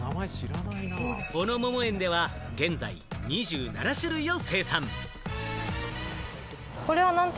小野桃園では現在、２７種類を生産。